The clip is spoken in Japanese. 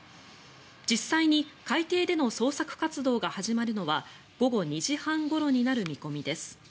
実際に海底での捜索活動が始まるのは午後２時半ごろになる見込みです。